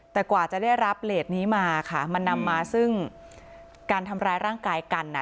แต่กว่าจะได้รับเลสนี้มาค่ะมันนำมาซึ่งการทำร้ายร่างกายกันอ่ะ